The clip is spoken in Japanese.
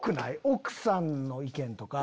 奥さんの意見とか。